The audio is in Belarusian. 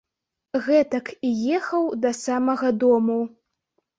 Гэтак і ехаў да самага дому.